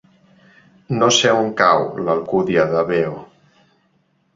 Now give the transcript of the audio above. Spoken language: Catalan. No sé on cau l'Alcúdia de Veo.